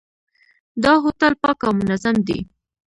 دا هوټل پاک او منظم دی.